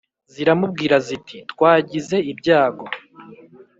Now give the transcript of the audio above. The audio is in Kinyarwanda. ziramubwira ziti « twagize ibyago,